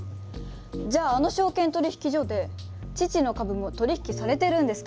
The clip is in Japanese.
じゃああの証券取引所で父の株も取引されてるんですかね？